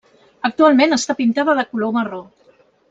Actualment està pintada de color marró.